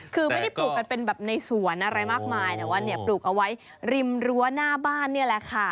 คือไม่ได้ปลูกกันเป็นแบบในสวนอะไรมากมายแต่ว่าเนี่ยปลูกเอาไว้ริมรั้วหน้าบ้านนี่แหละค่ะ